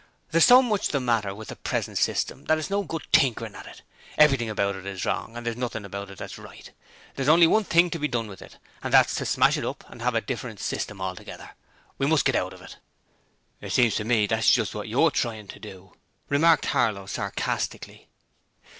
There's so much the matter with the present system that it's no good tinkering at it. Everything about it is wrong and there's nothing about it that's right. There's only one thing to be done with it and that is to smash it up and have a different system altogether. We must get out of it.' 'It seems to me that that's just what you're trying to do,' remanded Harlow, sarcastically.